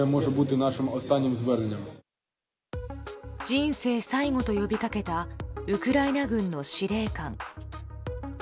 人生最後と呼びかけたウクライナ軍の司令官。